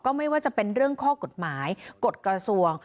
ไม่ว่าจะเป็นเรื่องข้อกฎหมายกฎกระทรวง